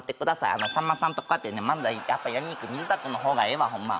あのさんまさんとこうやってね漫才やっぱやりにくい水田とのほうがええわホンマ